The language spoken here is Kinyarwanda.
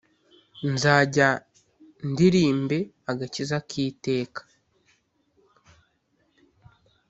Nzajya ndirimbe agakiza k’ iteka,